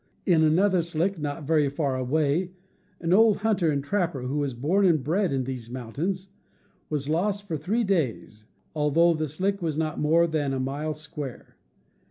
In another slick not very far away, an old hunter and trapper who was born and bred in these mountains, was lost for three days, although the slick was not more than a mile square.